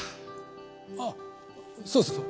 あそうそうそう。